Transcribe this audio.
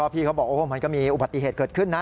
พี่เขาบอกมันก็มีอุบัติเหตุเกิดขึ้นนะ